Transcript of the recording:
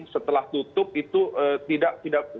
setelah tutup itu tidak